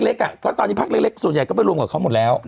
เพราะตอนนี้พักเล็กส่วนใหญ่ก็ไปรวมกับเขาหมดแล้ว